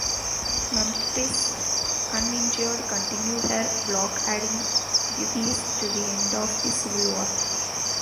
"Memphis", uninjured, continued her blockading duties to the end of the Civil War.